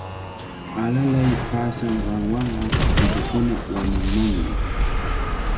Alalay paasanqanwanqa llullukuna wañunmanmi.